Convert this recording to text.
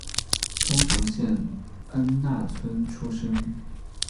冲绳县恩纳村出身。